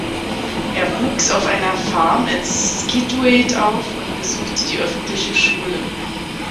Er wuchs auf einer Farm in Scituate auf und besuchte die öffentliche Schule.